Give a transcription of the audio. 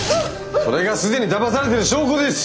それが既にだまされてる証拠です！